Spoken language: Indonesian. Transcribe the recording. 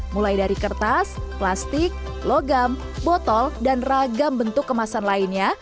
mulai dari kertas plastik logam botol dan ragam bentuk kemasan lainnya